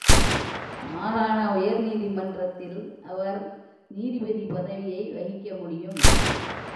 மாகாண உயர்நீதிமன்றத்தில் அவர் நீதிபதி பதவியை வகிக்க முடியும்.